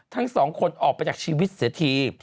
ทั้งสองคนออกไปจากชีวิตเสียที